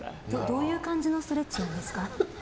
どういう感じのストレッチなんですか？